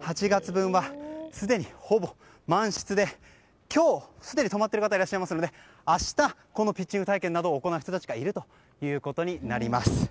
８月分はすでに、ほぼ満室で今日、すでに泊まっている方いらっしゃいますので明日、ピッチング体験などを行う人たちがいるということです。